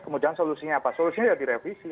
kemudian solusinya apa solusi ya direvisi